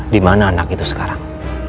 dimana anak itu sekarang